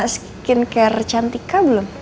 skincare cantika belum